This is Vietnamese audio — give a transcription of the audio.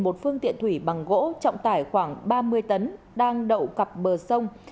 một phương tiện thủy bằng gỗ trọng tải khoảng ba mươi tấn đang đậu cặp bờ sông